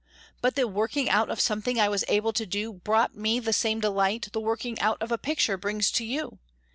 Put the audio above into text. But the working out of something I was able to do brought me the same delight the working out of a picture brings to you.